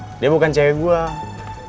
tapi dia itu sekretarisnya bokap gue